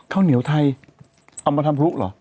ข้าวเหนียวไทยเอามาทำพลุเหรอ